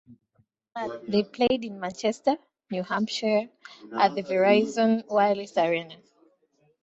They played in Manchester, New Hampshire, at the Verizon Wireless Arena.